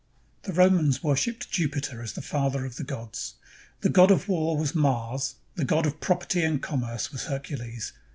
The Romans worshiped Jupiter as father of the gods. The god of war was Mars; the god of property and commerce was Hercules.